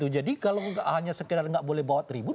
jadi kalau hanya sekedar nggak boleh bawa tribut